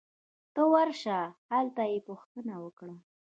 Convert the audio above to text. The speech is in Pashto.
ته ورشه ! هلته یې پوښتنه وکړه